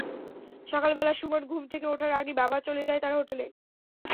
সকালবেলা সুমন ঘুম থেকে ওঠার আগেই বাবা চলে যায় তার হোটেলে।